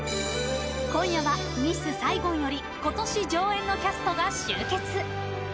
今夜は「ミス・サイゴン」より今年上演のキャストが集結。